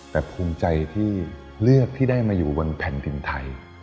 แต่ภูมิใจที่เลือกที่ได้มาอยู่บนแผ่นดินไทย